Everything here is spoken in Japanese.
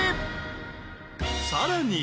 ［さらに］